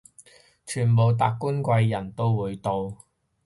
全部達官貴人都會到